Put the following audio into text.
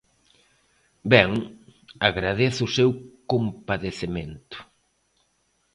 Ben, agradezo o seu compadecemento.